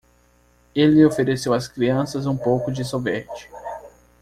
Ele ofereceu às crianças um pouco de sorvete.